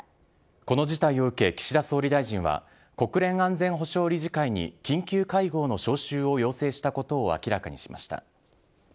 この事態を受け、岸田総理大臣は国連安全保障理事会に緊急会合の招集を要請したことを明らかにしました。